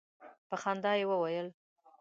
په خندا یې وویل.